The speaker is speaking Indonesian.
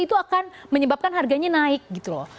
itu akan menyebabkan harganya naik gitu loh